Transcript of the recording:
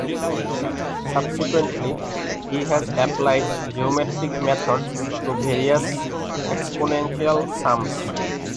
Subsequently, he has applied geometric methods to various exponential sums.